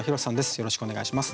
よろしくお願いします。